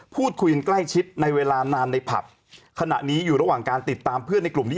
พูดคุยใกล้ชิดในเวลานานในผับขณะนี้อยู่ระหว่างการติดตามเพื่อนในกลุ่มนี้